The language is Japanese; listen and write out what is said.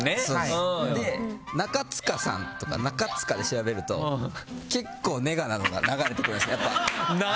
中務さんとか中務で調べると結構、ネガなのが流れてくるんですよ。